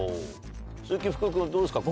鈴木福君どうですか？